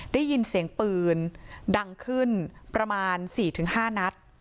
ได้ยินเสียงปืนดังขึ้นประมาณ๔๕นัด